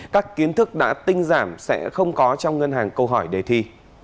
các kiến thức đã tinh giảm sẽ không có trong ngân hàng câu hỏi đề thi